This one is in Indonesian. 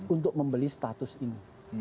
untuk membeli status ini